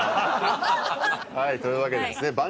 はいというわけでですね